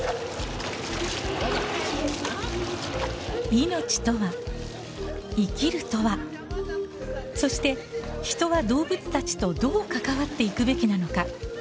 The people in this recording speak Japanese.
命とは、生きるとはそして人は動物たちとどう関わっていくべきなのか。